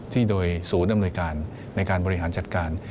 ที่โดยศูนย์อำนวยการในการบริหารจัดการ